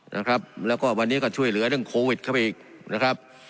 นะครับแล้วก็วันนี้ก็ช่วยเหลือเรื่องโควิดเข้าไปอีกนะครับ